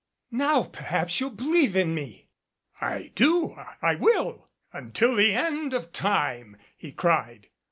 "Now perhaps you'll believe in me." "I do. I will. Until the end of time," he cried.